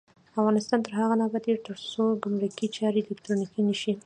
افغانستان تر هغو نه ابادیږي، ترڅو ګمرکي چارې الکترونیکي نشي.